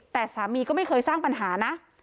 แต่สามีก็ไม่เคยสร้างปัญหานะ